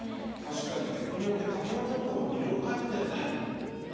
確かに曲によって髪形とかもいろいろ変えてたよね。